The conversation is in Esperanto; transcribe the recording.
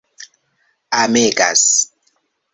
amegas